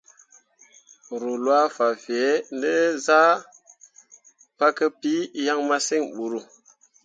Ruu lwaa fan fẽẽ ne zah pǝkǝpii yaŋ masǝŋ buuru.